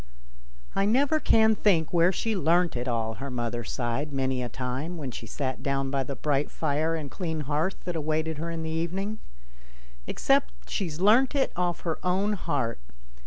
" I never can think where she learnt it all," her mother sighed many a time when she sat down by the bright fire and clean hearth that awaited her in the evening, "except she's learnt it off her own heart.